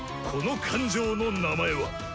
「この感情の名前は」。